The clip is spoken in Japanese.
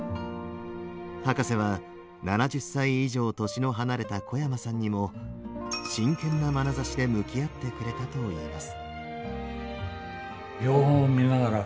博士は７０歳以上年の離れた小山さんにも真剣なまなざしで向き合ってくれたといいます。